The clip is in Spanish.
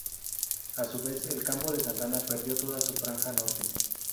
A su vez, el Campo de Santana perdió toda su franja norte.